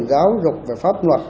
giáo dục về pháp luật